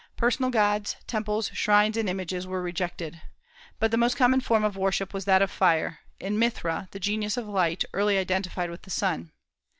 Personal gods, temples, shrines, and images were rejected. But the most common form of worship was that of fire, in Mithra, the genius of light, early identified with the sun.